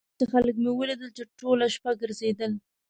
داسې خلک مې ولیدل چې ټوله شپه ګرځېدل.